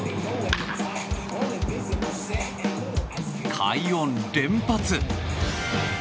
快音連発。